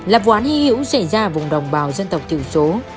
lập vụ án hi hữu xảy ra ở vùng đồng bào dân tộc tiểu số